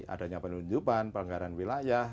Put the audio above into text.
adanya penelunjupan pengelenggaran wilayah